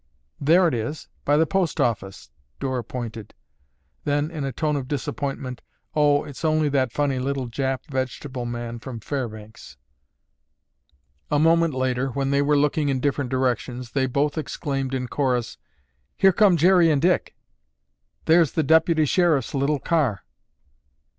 "There it is, by the post office," Dora pointed, then, in a tone of disappointment, "Oh, it's only that funny little Jap vegetable man from Fairbanks." A moment later, when they were looking in different directions, they both exclaimed in chorus, "Here come Jerry and Dick!" "There's the Deputy Sheriff's little car."